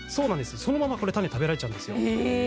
そのまま種を食べちゃうんです。